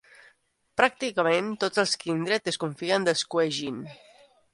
Pràcticament tots els Kindred desconfien dels Kuei-jin.